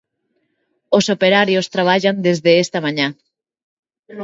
Os operarios traballan desde esta mañá.